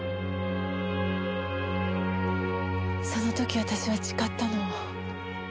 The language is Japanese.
その時私は誓ったの。